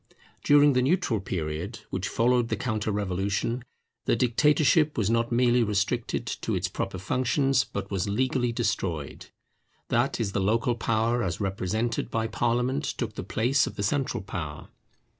During the neutral period which followed the counter revolution, the dictatorship was not merely restricted to its proper functions, but was legally destroyed; that is the local power as represented by parliament took the place of the central power.